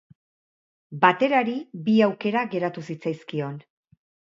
Baterari bi aukera geratu zitzaizkion.